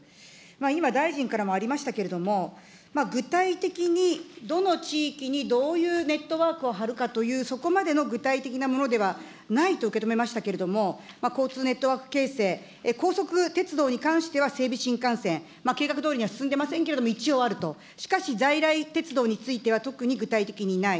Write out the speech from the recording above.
今、大臣からもありましたけれども、具体的に、どの地域にどういうネットワークを張るかというそこまでの具体的なものではないと受け止めましたけれども、交通ネットワーク形成、高速鉄道に関しては整備新幹線、計画どおりには進んでいませんけれども、一応あると、しかし在来鉄道については、特に具体的にない。